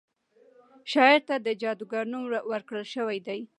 شاعر ته د جادوګر نوم ورکړل شوی دی.